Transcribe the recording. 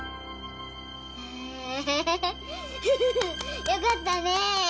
へぇフフフよかったね。